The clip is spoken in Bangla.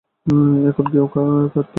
এখন কেউই কাঁধ পাতছে না।